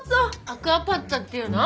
アクアパッツァっていうの？